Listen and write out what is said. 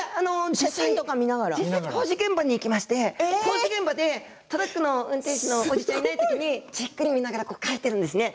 写真とか見ながら工事現場に行きましてトラックの運転手のおじちゃんがいないときにじっくり見ながら描いているんですね。